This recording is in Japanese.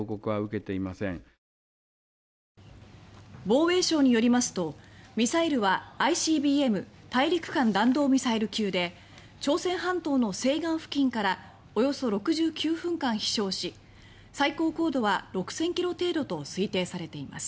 防衛省によりますとミサイルはＩＣＢＭ・大陸間弾道ミサイル級で朝鮮半島の西岸付近からおよそ６９分間飛翔し最高高度は６０００ｋｍ程度と推定されています。